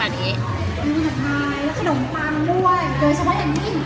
เดี๋ยวจะไว้แบบนี้